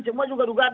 semua juga dugaan